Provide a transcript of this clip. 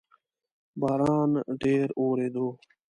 باران ډیر اوورېدو